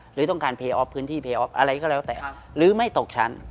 หรือต้องการพื้นที่อะไรก็แล้วแต่หรือไม่ตกชั้น